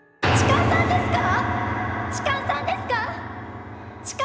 ⁉痴漢さんですか